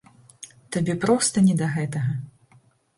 Табе проста не да гэтага.